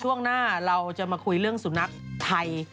ช่วงหน้าเราจะมาคุยเรื่องสุนัขไทย